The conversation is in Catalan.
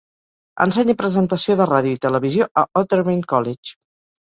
Ensenya presentació de ràdio i televisió a Otterbein College.